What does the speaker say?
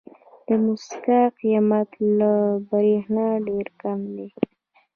د موسکا قیمت له برېښنا ډېر کم دی.